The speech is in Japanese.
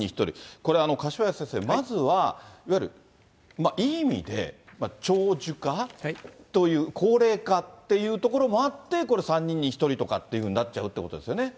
これ、柏谷先生、まずはいわゆるいい意味で、長寿化という、高齢化っていうところもあって、これ、３人に１人とかってなっちゃうってことですよね。